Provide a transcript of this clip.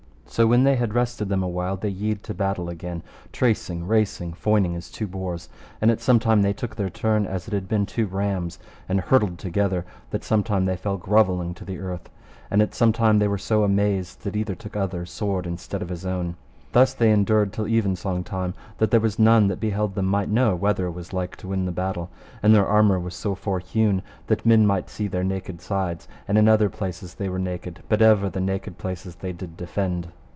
So when they had rested them a while they yede to battle again, tracing, racing, foining as two boars. And at some time they took their run as it had been two rams, and hurtled together that sometime they fell grovelling to the earth: and at some time they were so amazed that either took other's sword instead of his own. Thus they endured till evensong time, that there was none that beheld them might know whether was like to win the battle; and their armour was so forhewn that men might see their naked sides; and in other places they were naked, but ever the naked places they did defend.